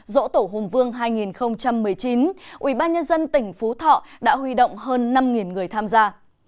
dỗ tổ hùng vương hai nghìn một mươi chín ubnd tỉnh phú thọ đã huy động hơn năm người tham gia